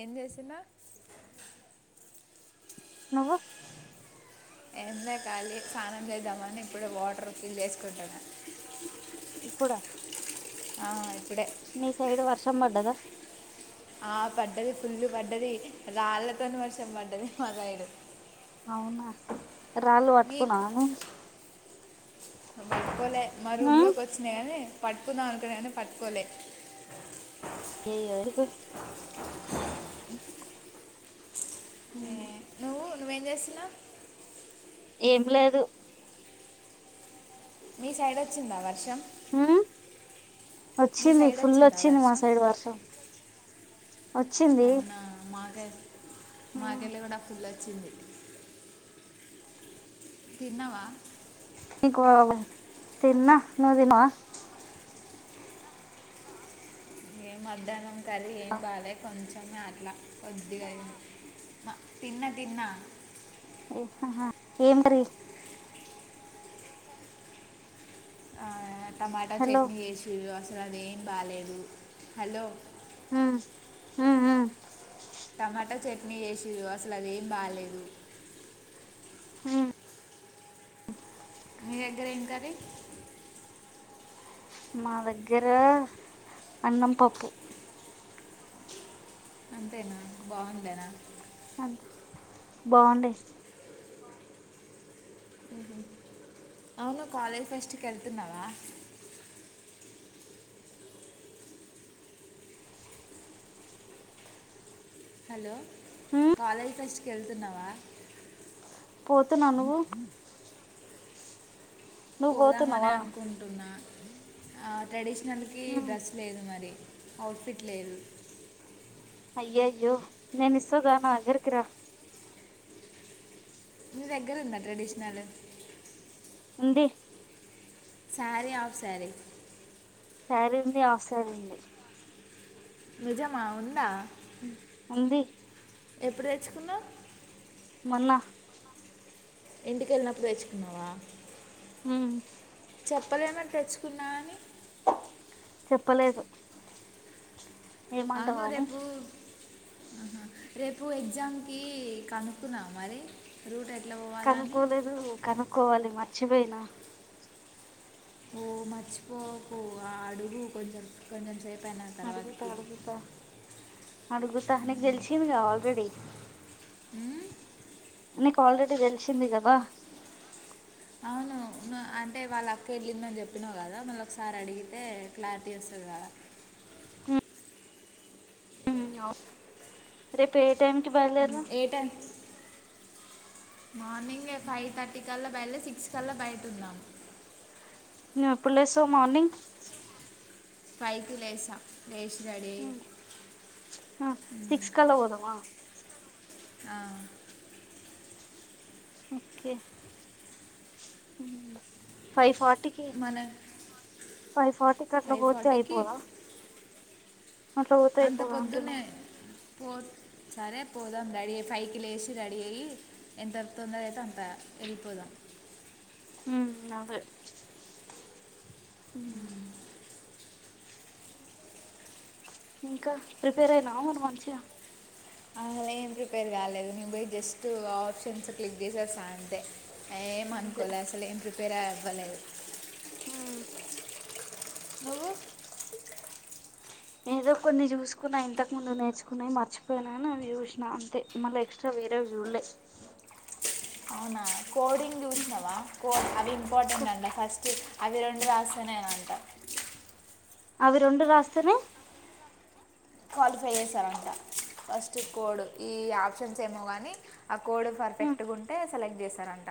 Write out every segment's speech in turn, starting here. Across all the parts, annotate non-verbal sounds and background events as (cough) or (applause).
ఏం చేస్తున్నావ్ నువ్వు ఎం లే ఖాలీ స్నానం చేద్దామని ఇప్పుడు వాటర్ ఫిల్ చేసుకుంటున్న ఇప్పుడా ఆహ్ ఇప్పుడే మీ సైడ్ వర్షం పడ్డదా ఆహ్ పడ్డది ఫుల్లు పడ్డది రాళ్ళతోని వర్షం పడ్డది మా సైడు అవునా రాళ్ళు పట్టుకున్నావా నువ్ బట్టుకోలే మా రూమ్ ఉమ్ లోకి వచ్చినాయి గానీ పట్టుకుందమనుకున్నా కానీ పట్ కొలె ఏ ఎవరి కోస్ ఉ ఏ, నువ్వు నువ్వేం చేస్తున్నవ్ ఏం లేదు మీ సైడ్ వచ్చిందావర్ ఉ మీ వచ్చింది సైడ్ ఫుల్ వచ్చిందా వచ్చింది మా వర్షం సైడ్ వర్షం వచ్చింది అవునా మాకే ఉమ్ మాకెళ్ళి కూడా ఫుల్ వచ్చింది తిన్నవా ఇంకా తిన్న నువ్ తిన్నావ ఏం మధ్యాహ్నం కర్రీ ఏం బాలె కొంచెం అట్లా కొద్దిగా మా తిన్నా తిన్నా ఏ హా హా ఏం కర్రీ ఆ టమాటా హలో చట్నీ చేసిర్రు అసలు అదేం బాలేదు హలో ఆ ఆ ఆ టమాటా చట్నీ చేసిర్రు అసలు అదేం బాలేేదు ఉమ్ మీ దగ్గర ఏం కర్రీ మా దగ్గర అన్నం పప్పు అంతేనా బాగుండేనా అంతే బాగుండే అవును కాలేజ్ ఫస్ట్ కేల్తున్నవ హలో ఉమ్ కాలేజ్ ఫెస్ట్కి వెళ్తున్నావా పోతున్నా నువ్వు నువ్వు పోదామని పోతున్నావా అనుకుంటున్నా ఆ ట్రెడిషనల్కి ఉమ్ డ్రెస్ లేదు మరి అవుట్ఫిట్ లేదు అయ్యయ్యో నేను ఇస్తాదా నా దగ్గరకి రా మీ దగ్గర ఉందా ట్రెడిషనల్ ఉంది సారీ ఆఫ్ సారీ సారుంది ఆఫ్ సారుంది నిజమా ఉందా ఉంది ఎప్పుడు తెేచ్చుకున్నావు మొన్నా ఇంటికెల్నప్పుడు తెచ్కున్నావా ఊమ్ చెప్పలేన తెచ్చుకున్నా అని చెప్పలేదు ఏమంటావు అవ్ను అని రెపూ అహా రేపు ఎగ్జామ్ కీ కనుక్కున్నావ మరీ రూట్ అయ్ కనుక్కోలేదూ కనుక్కోవాలి మర్చిపొయ్నా ఓ మర్చిపోకూ ఆ అడుగు కొంచెం కొంచెం సేప్ అడుగుతా అడుగుతా అడుగుతా నీక్ తెలిసింది గా ఆల్రెడి ఉమ్? నీకు ఆల్రెడి తెలిసింది కదా అవునా నువ్ అంటే వాళ్ళక్క ఎళ్ళిందని చెప్పినావ్ కదా మల్లొక్ సారి అడిగితే క్లారిటి వస్తది కద ఆ ఉమ్ ఉమ్ అవ్ రేప్ ఏ టైంకి ఉమ్, బయల్దేరదం మార్నింగె ఫైవ్ థర్టీ కల్ల బయల్దె సిక్స్ కల్ల బయట ఉందాం నువు ఎప్పుడ్లేస్సవ్ మార్నింగ్ ఫైవ్ కి లేేసా ఉ ఆ సిక్స్ కల్ల పొదామా ఆ ఒకే ఫైవ్ ఫార్ టికి మన ఫైవ్ ఫార్టీ కట్ల ఫైవ్ పోతె అయ్ ఫార్టీకి పోవ అట్ల పొతె ఎక్కువ అంటున్న వాట్ సరే పోదాం రెడీ అయి పైకి లేచి రెడీ అయ్యి ఎంత తొందరగా అయితే అంత వేళ్ళిపొదాం (inaudible) ఊ అదె ఇంకా ప్రిపేర్ అయినావ మరి మంచిగా ఆ ఏం ప్రిపేర్ కాలేదు నేన్ పొయ్ జస్టూ ఆప్షన్సు క్లిక్ చేసి వొస్త అంతె ఏం అంతే అనుకోలే అసలు ఏం ప్రిపేరె అవ్వలేదు ఊ నువ్వు ఏదొ కొన్ని చూసుకున్న ఇంతక్ ముందు నేర్చుకున్నయి మర్చిపొయినానవి చూసిన అంతె మళ్ళీ ఎక్స్ట్రా వేరేవి చూడలే అవునా కోడింగ్ చూసినవా కో అవి ఇంపార్టెంట్ అంటా ఫస్ట్ అవి రెండు రాస్తెనేనంట అవి రొండు రాస్తెనే క్వాలిఫై చేశారంట ఫస్ట్ కోడు కీ ఆప్షన్స్ ఏమో కానీ ఆ కోడు పర్ఫెక్ట్ గుంటే సెలెక్ట్ చేస్తారంట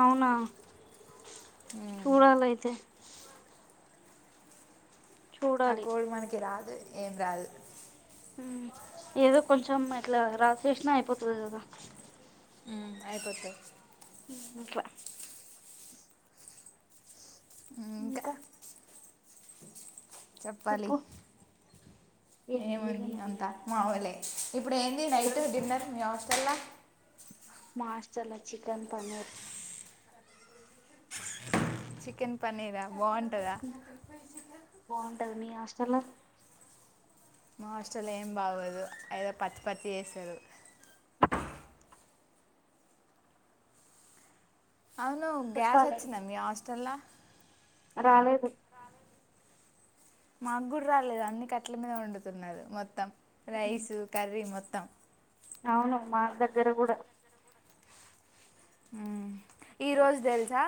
అవునా మ్మ్. చూడాలయితే ఆ చూడాలి కోడు మనకి రాదు ఏం రాదు ఏదో కొంచెం అట్లా రాసేసిన అయిపోతది కదా ఊ అయ్ పోతది (inaudible) ఇంకా (inaudible) చెప్పాలి చెప్పు ఇక ఏముంది నువ్వే అంతా చెప్పు. మామూలె ఇప్పుడు ఏంది నైటు ఈరోజు డిన్నర్ మీ హాస్టల్ల మా హస్టల్లొ చికెన్ పన్నీర్ చికెన్ పనీరా బా బాగుంటది మీ హస్టల్లో మా హాస్టలో ఏం బాగోదు ఏదో పచ్చి పచ్చి చేస్తారు అవును గ్యాస్ రాలేదు వచ్చిందా మీ హాస్టల్ రాలేదు మాకు గుడా రాలేదు అన్ని కట్ల మీద వండుతున్నారు మొత్తం ఉమ్, రైస్ కర్రీ మొ త అవును మాక్ దగ్గర కూడా ఉమ్ ఈ రోజు తెలుసా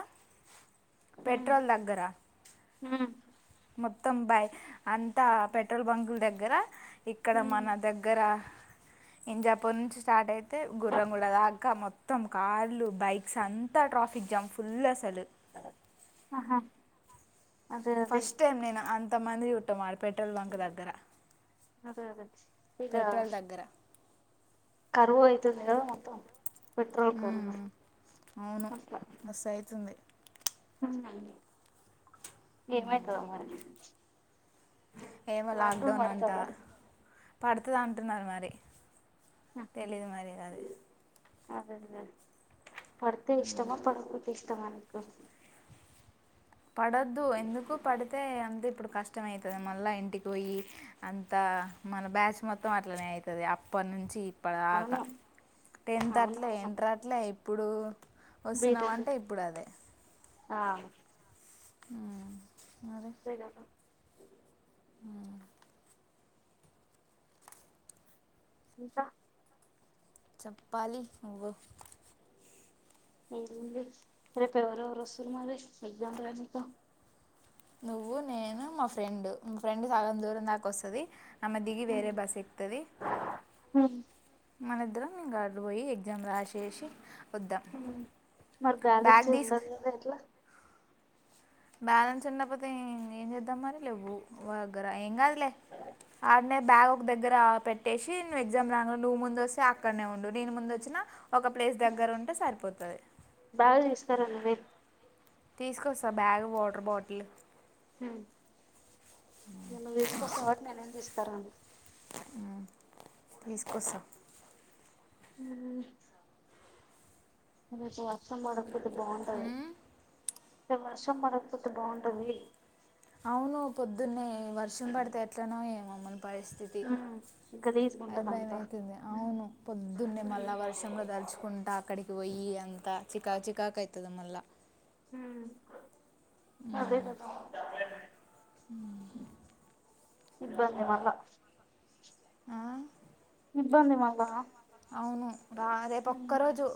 ఉమ్, పెట్రోల్ దగ్గర ఉమ్ మొత్తం బై అంతా పెట్రోల్ బంకుల దగ్గర ఇక్కడ ఉమ్, మన దగ్గర ఇంజాపూర్ నుంచి స్టార్ట్ అయితే గుర్రంగళ దాకా మొత్తం కార్లు బైక్స్ అంతా ట్రాఫిక్ జామ్ ఫుల్ అసలు ఆహా అదే అదే ఫస్ట్ టైం నేను అంతమంది జుట్టం పెట్రోల్ బంక్ దగ్గర అదే అద చ్చి ఇద పెట్రోల్ దగ్గర కరువా అయితుంది గదా మొత్తం పెట్రోల్ కరువా మ్మ్. అవును మస్ అయితు ఏమైతదో మరి ఏమో లాక్డౌన్ అంట పడుతది అంటున్నారు మరి తెలీదు మరి అది అదేంలే పడుతే ఇష్టమా పడకపోతే ఇష్టమా నీకు పడద్దు ఎందుకు పడితే అంది ఇప్పుడు కష్టమైతది మళ్ళా ఇంటికి పోయి అంతా మన బ్యాచ్ మొత్తం అట్లనే ఐతది అప్పటి నుంచి అప్పుటిదాకా అవును టెన్త్ అట్లే అవునవును ఎంటర్ అట్లే ఇప్పుడూ వస్తున్నాం బీటెక్ అంటే ఇప్పుడు అదే ఆ ఊ ఇప్పుడే గాదా ఇంకా చెప్పాలీ నువ్వు ఏంది రేపు ఎవరెవరు వస్తుర్రు మరి ఎగ్జామ్ రాయనీక నువ్వు నేను మా ఫ్రెండ్ మా ఫ్రెండ్ సగం దూరం దాకా వస్తది ఆమె దిగి వేరే బస్ ఎక్తది మన ఇద్దరం ఇంగ అడ్పోయి ఎగ్జామ్ రాసేసి వద్దాం మరి బ్యాలెన్స్ బ్యాగ్ తీసుకు ఉండదు గదా ఎట్లా బ్యాలెన్స్ ఉండపోతే ఏం చేద్దాం మరి లేవు మా దగ్గర ఏం గాదు లే అడ్నే బ్యాగ్ ఒక దగ్గర పెట్టేసి నువ్వు ఎగ్జామ్ రా నువ్వు ముందు వస్తే అక్కడనే ఉండు నేను ముందు వచ్చిన ఒక ప్లేస్ దగ్గర ఉంటే సరిపోతది బ్యాగ్ తీస్కర నువ్వే తీసుకొస్తా బ్యాగ్ వాటర్ బాటిల్ ఇలా నువ్ తీసుకొస్తావ్ కాబట్టి నేనేం తీసుకురాను ఊ తీసుకోస్తా ఊ రేపు వర్షం పడకపోతే బాగుంటది ఉమ్, రేపు వర్షం బడకపోతే బాగుంటవి అవును పొద్దున్నే వర్షం బడితే ఎట్లనో ఏమో మన పరిస్థితి అది గలీజ్గుంటది భయమ అంతా అయితుంది అవును పొద్దున్నే మళ్ళా వర్షంలో తలుచుకుంటా అక్కడికి వోయి ఈ అంత చికా చికాకయితది మల్లా ఊ అదే కదా ఇబ్బంది మల్లా ఆ ఇబ్బంది మల్లా అవును బ రేపు ఒక్క రోజు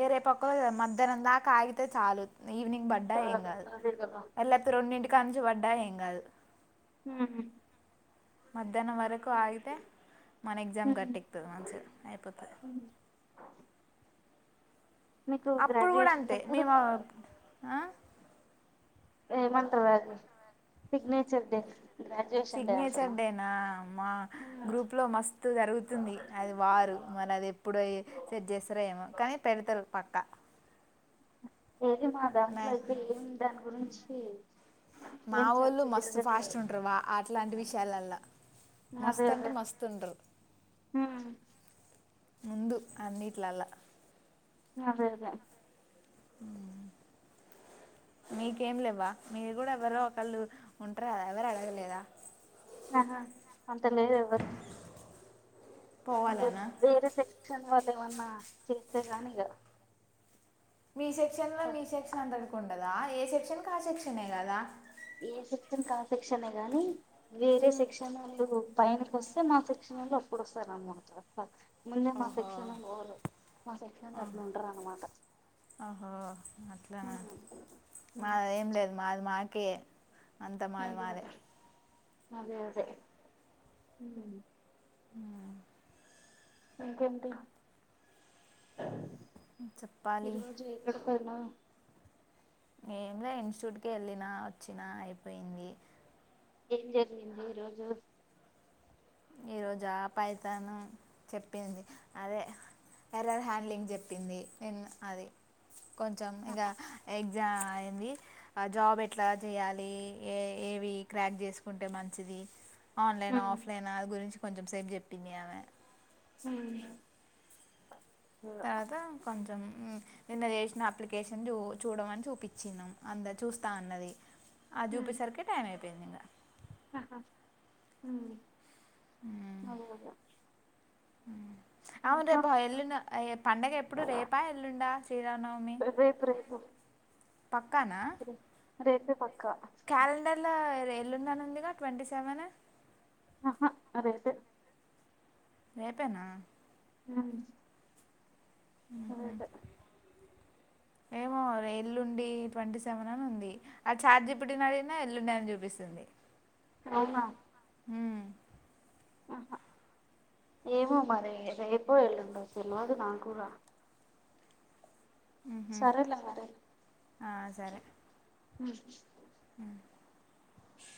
ఏ రేపు ఒక్కరోజు మధ్యాహ్నం దాకా ఆగితే చాలు ఈవనింగ్ బడ్డా ఏం గాదు అదే కదా అలైతే రెండింటికానించి వడ్డా ఏం గాదు ఊ హు మధ్యాహ్నం వరకు ఆగితే మన ఎగ్జామ్ గట్ ఎక్కుతది మంచిగా అయిపోతది మీకు అప్పుడు గూడా గ్రాడ్యుయేషన్ అంతే ఎప్పుడు మేము ఆ ఏమంటరది చర్ డే అంటున్నా సిగ్నేచర్ డేనా మా గ్రూప్ లో మస్తు జరుగుతుంది అది వారు మనది ఎప్పుడయ్ సెట్ చేస్తారేమో కానీ పెడతరు పక్కా ఏది మా దాంట్లో నా- అయితే ఏం దాని గురించి మా ఏం చర్చ వోళ్ళు మస్తు ఫాస్ట్ జరగట్లేదు ఉంటారు వా అట్లాంటి విషయాలల్లా మస్త్ అంటే మస్త్ ఉంటరు. హా ముందు అన్నిట్లలా అదే అదే మ్ మీకేం లేవ్వ మీరు కూడా ఎవరో ఒకళ్ళు ఉంటార్కదా ఎవరడగలేదా ఆహ అంత లేదెవ్వర్ పోవాలనా వేరే సెక్షన్ వాళ్ళు ఏమన్నా చేస్తే గానీ ఇగ మీ సెక్షన్ లో మీ ఫస్ట్ సెక్షన్ అంతటికీ ఉండదా ఏ సెక్షన్కి ఆ సెక్షనే కదా ఏ సెక్షన్కి ఆ సెక్షనే గాని వేరే సెక్షన్ వొళ్ళు పైనకొస్తే మా సెక్ష నోళ్లు అప్పుడు వస్తారనమాట ముందే మా ఆహా సెక్షనోళ్ళుపోరు మా సెక్షన్ల అట్లుంటరనమాట ఆహా అట్లన మాదేం లేదు మాది మాకే అంత మాద్ అదే మాదే. అదే అదే అదే. మ్ ఇంకేంటి మ్ చెప్పాలి పోదునా ఏమ్లే ఇన్స్టిట్యూట్ కెళ్ళినా వచ్చినా అయిపోయింది. ఏం జరిగింది ఈ రోజు ఈ రోజా పైతాను చెప్పింది అదే ఎర్రర్ హ్యాండ్లింగ్ చెప్పింది ఇన్ అది కొంచెం ఇగ ఎగ్ జా అయింది ఆ జాబ్ ఎట్లా చేయాలి ఏ ఏవి క్రాక్ చేసుకుంటే మంచిది. ది ఆన్లైన్ ఆఫ్ దాని గురించి కొంచెం సేపు చెప్పింది ఆమె మ్ తర్వాత కొంచెం మ్ నిన్న చేసిన అప్లికేషన్ చూ చూడమని చూపిచ్చినాం అందరం చూస్తా అన్నది అది చూపేసరికే టైం అయిపోయింది ఇంగ ఆహా మ్ అదేగదా మ్ అవును రేపు ఎల్లుండ్ పండగెప్పుడు రేపా ఎల్లుండా శ్రీరామనవమి రేపు రేపు పక్కా, నా రేపే పక్కా క్యాలెండర్లో రే ఎల్లుండనుందిగా ట్వంటీ సెవెన్ ఆహ రేపే రేపేనా (unintelligible) మ్ హు రేపే ఏమో ఎల్లుండి ట్వంటీ సెవెన్ అని ఉంది. ఆ చాట్ జి పి టినడిగిన ఎల్లుండి అని చూపి పిస్తుంది. అవునా మ్మ్ ఆహా ఏమో మరి రేపోఎల్లుండో తెల్వదు నా కూడా మ్హూ. సరేలే మరి మ్ మ్